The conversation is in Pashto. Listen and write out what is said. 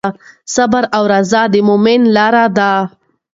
صبر او رضا د مؤمنانو لاره ده.